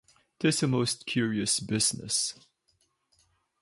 'Tis a most curious business.